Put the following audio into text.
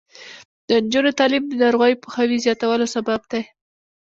د نجونو تعلیم د ناروغیو پوهاوي زیاتولو سبب دی.